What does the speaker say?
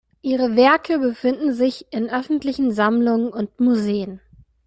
Ihre Werke befinden sich in öffentlichen Sammlungen und Museen.